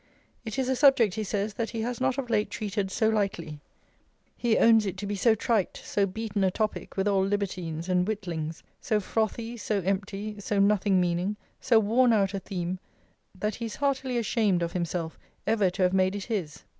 It is a subject, he says, that he has not of late treated so lightly. He owns it to be so trite, so beaten a topic with all libertines and witlings; so frothy, so empty, so nothing meaning, so worn out a theme, that he is heartily ashamed of himself, ever to have made it his.